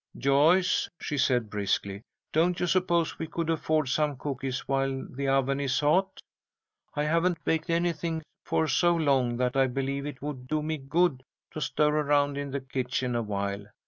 "Joyce," she said, briskly, "don't you suppose we could afford some cookies while the oven is hot? I haven't baked anything for so long that I believe it would do me good to stir around in the kitchen awhile.